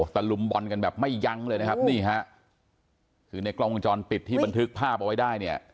ตะลุมบอลกันแบบไม่ยั้งเลยนะครับนี่ฮะคือในกล้องวงจรปิดที่บันทึกภาพเอาไว้ได้เนี่ย